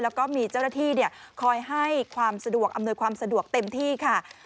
แล้วก็มีเจ้าหน้าที่คอยให้ความสะดวกอำนวยความสะดวกเต็มที่ค่ะ